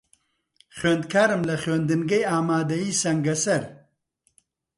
خوێندکارم لە خوێندنگەی ئامادەیی سەنگەسەر.